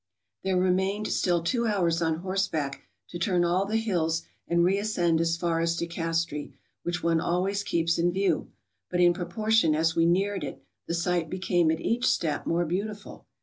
There remained still two hours on horseback to turn all the hills and re ascend as far as to Castri, which one always keeps in view; but in proportion as we neared it the sight became at each step more beautiful.